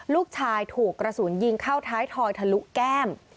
ลูกชายถูกกระสุนยิงเข้าท้ายทอยทะลุแก้ม